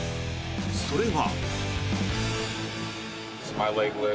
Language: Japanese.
それは。